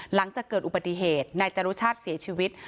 หลังจากเกิดอุบัติเหตุนายจรุชาติเสียชีวิต